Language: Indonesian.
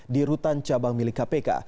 di rutan cabang milik kpk